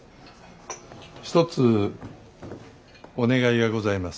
一つお願いがございます。